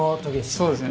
そうですね。